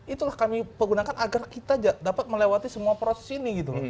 itulah kami menggunakan agar kita dapat melewati semua proses ini